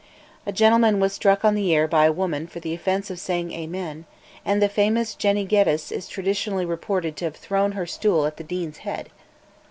A gentleman was struck on the ear by a woman for the offence of saying "Amen," and the famous Jenny Geddes is traditionally reported to have thrown her stool at the Dean's head.